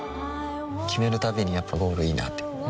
決めるたびにやっぱゴールいいなってふん